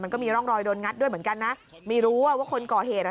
ก็มีร่องรอยโดนงัดด้วยเหมือนกันนะไม่รู้ว่าคนก่อเหตุอ่ะ